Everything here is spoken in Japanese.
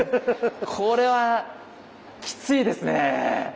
これはきついですね。